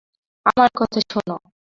আমার কথা শোন!